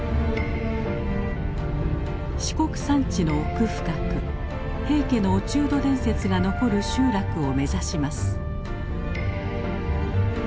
四国山地の奥深く平家の落人伝説が残る集落を目指します。